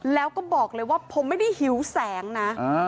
แล้วก็บอกเลยว่าผมไม่ได้หิวแสงนะ